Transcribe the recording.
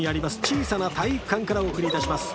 小さな体育館からお送りいたします